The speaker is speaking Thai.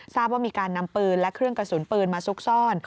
ทราบว่ามีการนำปืนและเครื่องกระสุนปืนมาซุกซ่อน